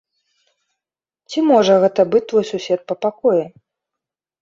Ці можа гэта быць твой сусед па пакоі?